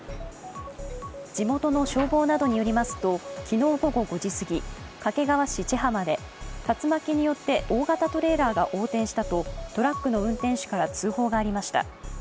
地元の消防などによりますと昨日午後５時すぎ、掛川市千浜で竜巻によって大型トレーラーが横転したと、トラックの運転手から通報がありました。